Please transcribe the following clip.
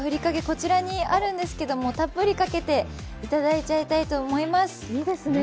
こちらにあるんですけれどもたっぷりかけて、いただいちゃいたいと思います。